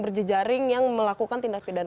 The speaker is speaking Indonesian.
berjejaring yang melakukan tindak pidana